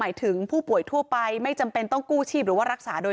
ถึงผู้ป่วยทั่วไปไม่จำเป็นต้องกู้ชีพหรือว่ารักษาโดย